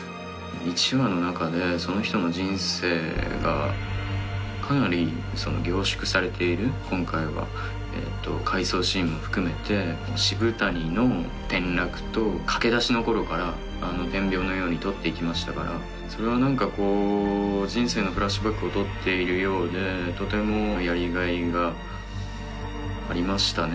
１話の中でその人の人生がかなり凝縮されている今回は回想シーンも含めて渋谷の転落と駆け出しの頃から点描のように撮っていきましたからそれは何かこう人生のフラッシュバックを撮っているようでとてもやりがいがありましたね